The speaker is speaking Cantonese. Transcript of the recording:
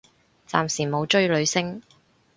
暫時冇追女星